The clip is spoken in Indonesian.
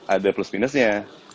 ada plus minusnya